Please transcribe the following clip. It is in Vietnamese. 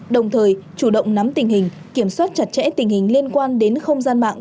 đồng thời chủ động nắm tình hình kiểm soát chặt chẽ tình hình liên quan đến không gian mạng